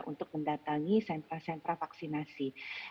untuk mendatangi sentra sentra vaksinasi